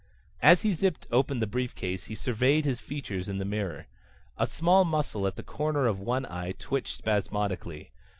As he zipped open the briefcase he surveyed his features in the mirror. A small muscle at the corner of one eye twitched spasmodically.